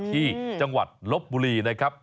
ที่จังหวัดลบบุรีนะครับ